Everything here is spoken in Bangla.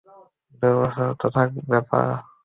দুই বছরেরই তো ব্যাপার।